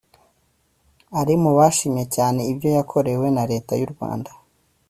ari mu bashimye cyane ibyo yakorewe na Leta y'u Rwanda